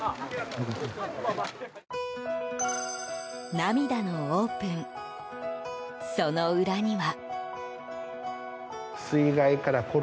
涙のオープン、その裏には。